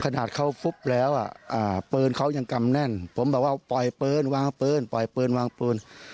ขนาดเขาฟุบแล้วปืนเขายังกำแน่นผมแบบว่าปล่อยปืนวางปืนปล่อยปืนวางปืน